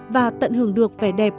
và tận hưởng được vẻ đẹp